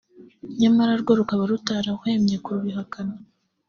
nyamara rwo rukaba rutarahwemye kubihakana